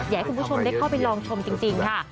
อยากให้คุณผู้ชมได้เข้าไปลองชมจริงค่ะ